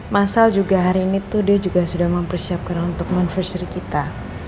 masal juga hari ini tuh dia juga sudah mau bersiapkan untuk montifestari kita